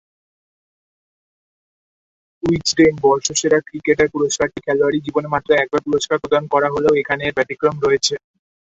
Wisden বর্ষসেরা cricketer পুরস্কারটি খেলোয়াড়ী জীবনে মাত্র একবার পুরস্কার প্রদান করা হলেও এখানে এর ব্যতিক্রম রয়েছে।